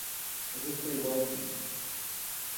Rikuy wawki